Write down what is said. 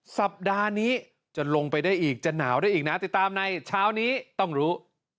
สัปดาห์นี้จะลงไปได้อีกจะหนาวได้อีกนะติดตามในเช้านี้ต้องรู้